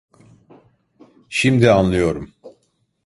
Şimdi anlıyorum.